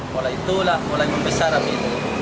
mulai itulah mulai membesar api itu